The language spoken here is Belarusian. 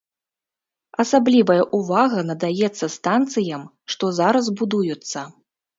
Асаблівая увага надаецца станцыям, што зараз будуюцца.